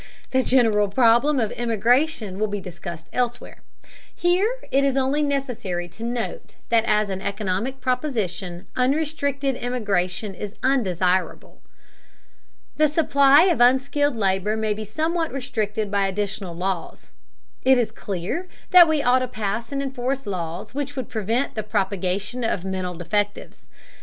The general problem of immigration will be discussed elsewhere; here it is only necessary to note that as an economic proposition unrestricted immigration is undesirable. The supply of unskilled labor may be somewhat restricted by additional laws. It is clear that we ought to pass and enforce laws which would prevent the propagation of mental defectives.